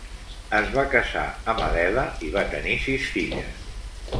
Es va casar amb Adela i va tenir sis filles.